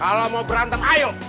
kalau mau berantem ayo